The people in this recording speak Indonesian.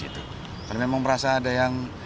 karena memang merasa ada yang